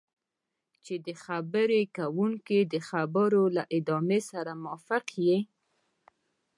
چې د خبرې کوونکي د خبرو له ادامې سره موافق یې.